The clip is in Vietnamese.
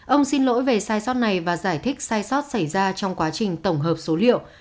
ông xin lỗi về sai sót này và giải thích sai sót xảy ra trong quá trình tổng hợp số liệu